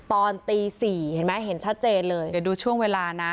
ตอนตี๔เห็นไหมเห็นชัดเจนเลยเดี๋ยวดูช่วงเวลานะ